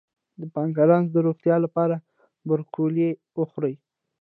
د پانکراس د روغتیا لپاره بروکولي وخورئ